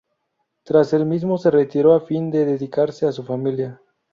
Tras el mismo se retiró a fin de dedicarse a su familia.